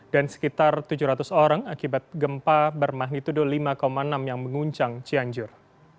dan sekitar tujuh ratus orang akibat gempa bermagnitudo lima enam yang menguncang cianjur